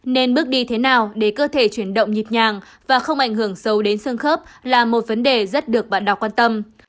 nên bước đi thế nào để cơ thể chuyển động nhịp nhàng và không ảnh hưởng sâu đến xương khớp là một vấn đề rất được bạn đọc quan tâm